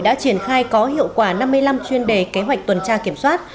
đã triển khai có hiệu quả năm mươi năm chuyên đề kế hoạch tuần tra kiểm soát